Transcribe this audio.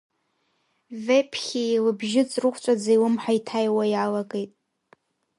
Веԥхьии лыбжьы ҵрыхәҵәаӡа илымҳа иҭаҩуа иалагеит.